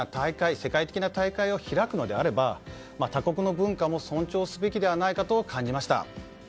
世界的な大会を開くのであれば他国の文化も尊重すべきではないかと感じました。